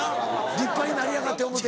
立派になりやがって思うて。